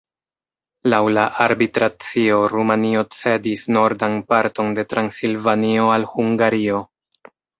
Laŭ la arbitracio Rumanio cedis nordan parton de Transilvanio al Hungario.